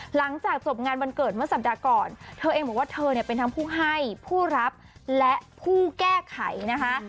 หลังจากจบงานวันเกิดเมื่อสัปดาห์ก่อนเธอเองบอกว่าเธอเนี่ยเป็นทั้งผู้ให้ผู้รับและผู้แก้ไขนะคะ